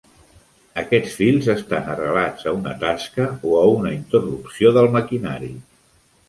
Aquests fils estan arrelats a una tasca o a una interrupció del maquinari.